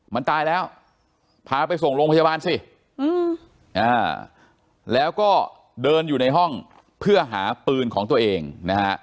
มันตายแล้วพาไปส่งโรงพยาบาลสิแล้วก็เดินอยู่ในห้องเพื่อหาปืนของตัวเองนะฮะ